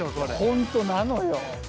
本当なのよ。